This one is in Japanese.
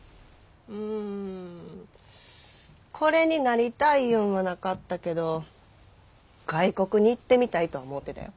うんこれになりたいいうんはなかったけど外国に行ってみたいとは思うてたよ。